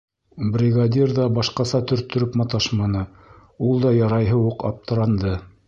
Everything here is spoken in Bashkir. Бригадир ҙа башҡаса төрттөрөп маташманы, ул да ярайһы уҡ аптыранды.